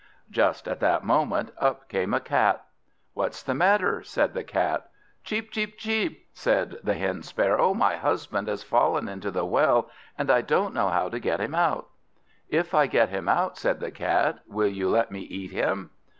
Just at that moment up came a Cat. "What's the matter?" said the Cat. "Cheep, cheep, cheep," went the Hen sparrow. "My husband has fallen into the well, and I don't know how to get him out." "If I get him out," said the Cat, "will you let me eat him?"